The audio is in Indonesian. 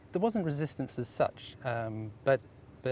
tidak ada penyelesaian seperti itu